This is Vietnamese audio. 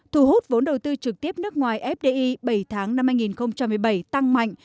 thu hút vốn đầu tư trực tiếp nước ngoài fdi bảy tháng năm một mươi bảy tăng mạnh